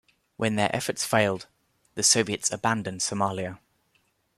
When their efforts failed, the Soviets abandoned Somalia.